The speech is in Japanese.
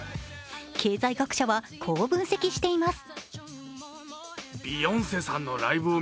経済学者は、こう分析しています。